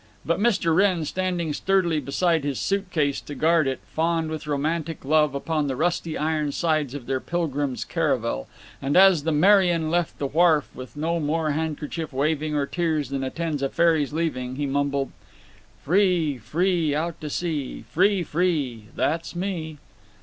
But Mr. Wrenn, standing sturdily beside his suit case to guard it, fawned with romantic love upon the rusty iron sides of their pilgrims' caravel; and as the Merian left the wharf with no more handkerchief waving or tears than attends a ferry's leaving he mumbled: "Free, free, out to sea. Free, free, that's _me!